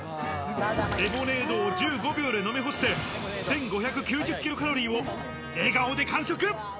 レモネードを１５秒で飲み干して１５９０ｋｃａｌを笑顔で完食。